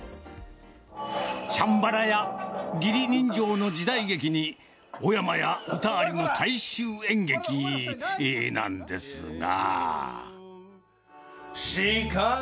チャンバラや、義理人情の時代劇に、女形や歌ありの大衆演劇なんですが。